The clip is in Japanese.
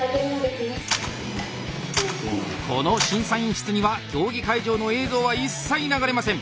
この審査員室には競技会場の映像は一切流れません。